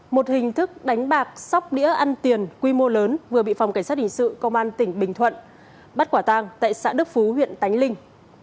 một hình thức đánh bạc sóc đĩa ăn tiền quy mô lớn vừa bị phòng cảnh sát hình sự công an tỉnh bình thuận bắt quả tang tại xã đức phú huyện tánh linh